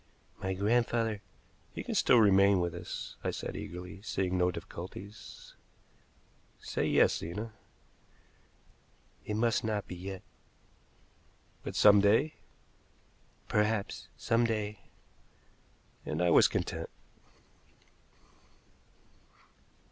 "My grandfather " "He can still remain with us," I said eagerly, seeing no difficulties. "Say yes, Zena." "It must not be yet." "But some day?" "Perhaps some day." And I was content.